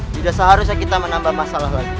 tidak seharusnya kita menambah masalah lagi